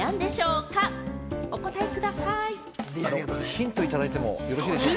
ヒントをいただいてもよろしいでしょうか？